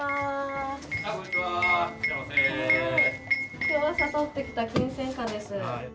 今日の朝とってきたキンセンカです。